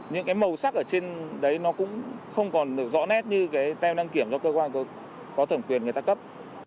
những cái màu sắc ở trên đấy nó cũng không còn được rõ nét như cái tem đăng kiểm do cơ quan có thẩm quyền người ta cấp